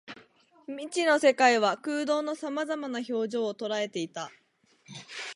未知の世界は空洞の様々な表情を捉えていた